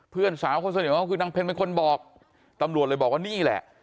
เพื่อนสาวคนสนิทของเขาคือนางเพ็ญเป็นคนบอกตำรวจเลยบอกว่านี่แหละ